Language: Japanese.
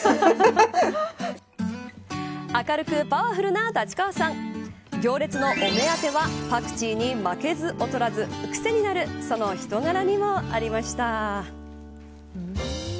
明るくパワフルな立川さん行列のお目当てはパクチーに負けず劣らず癖になるその人柄にもありました。